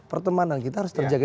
pertemanan kita harus terjaga